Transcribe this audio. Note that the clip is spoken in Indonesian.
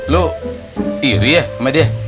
lu iri ya sama dia